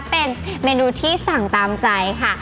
เป็นเมนูที่สั่งตามใจค่ะ